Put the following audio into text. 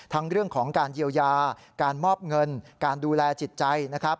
ทั้งเรื่องของการเยียวยาการมอบเงินการดูแลจิตใจนะครับ